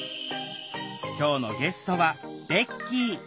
今日のゲストはベッキー。